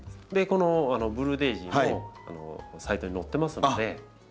このブルーデージーもサイトに載ってますので。